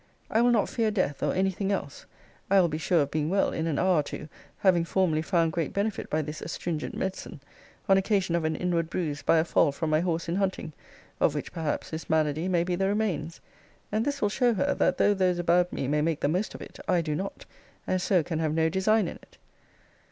I will not fear death, or any thing else. I will be sure of being well in an hour or two, having formerly found great benefit by this astringent medicine, on occasion of an inward bruise by a fall from my horse in hunting, of which perhaps this malady may be the remains. And this will show her, that though those about me may make the most of it, I do not; and so can have no design in it.